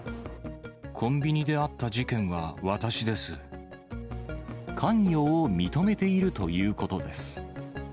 コンビニであった事件は私で関与を認めているということです。